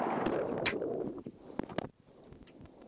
حقیقي عشق وده ورکوي.